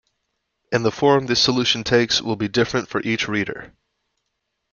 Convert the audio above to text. And the form this solution takes will be different for each reader.